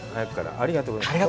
ありがとうございます。